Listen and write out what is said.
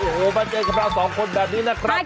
โอ้โหมาเจอกับเราสองคนแบบนี้นะครับ